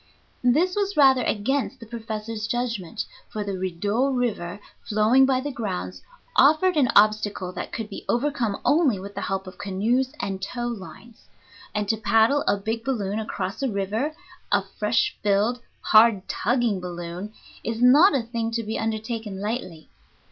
This was rather against the professor's judgment, for the Rideau River, flowing by the grounds, offered an obstacle that could be overcome only with the help of canoes and tow lines; and to paddle a big balloon across a river, a fresh filled, hard tugging balloon, is not a thing to be undertaken lightly.